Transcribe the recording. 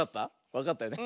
わかったよね。